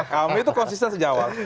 kami itu konsisten sejak awal